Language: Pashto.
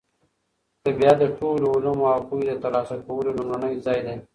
طبیعت د ټولو علومو او پوهې د ترلاسه کولو لومړنی ځای دی.